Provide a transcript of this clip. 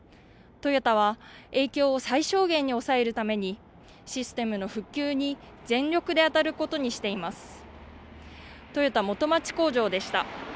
トヨタは、影響を最小限に抑えるために、システムの復旧に全力で当たることにしています。